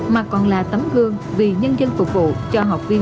mà còn là tấm gương vì nhân dân phục vụ cho học viên